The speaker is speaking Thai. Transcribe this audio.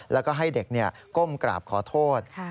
แล้วก็ให้เด็กก้มกราบขอโทษ